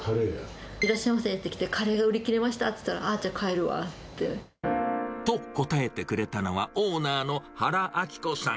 いらっしゃいませってきて、カレー売り切れましたって言ったと答えてくれたのは、オーナーの原昭子さん。